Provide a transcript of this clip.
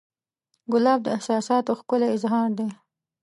ګلاب د احساساتو ښکلی اظهار دی.